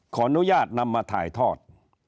ขออนุญาตนำมาถ่ายทอด